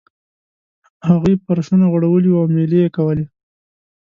هغوی فرشونه غوړولي وو او میلې یې کولې.